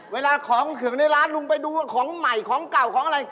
เวลาของเขื่องในร้านลุงไปดูว่าของใหม่ของเก่าของอะไร